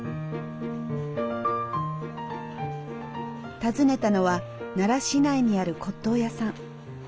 訪ねたのは奈良市内にある骨董屋さん。